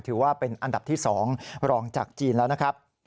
ถือว่าเป็นอันดับที่๒รองจากจีนแล้วนะครับ